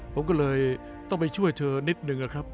ผมก็เลยต้องไปช่วยเธอนิดนึงนะครับ